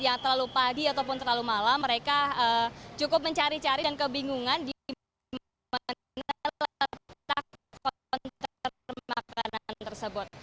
yang terlalu pagi ataupun terlalu malam mereka cukup mencari cari dan kebingungan di mana letak konter makanan tersebut